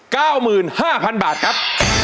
เก้าหมื่นห้าพันบาทครับ